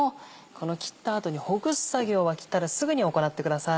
この切った後にほぐす作業は切ったらすぐに行ってください。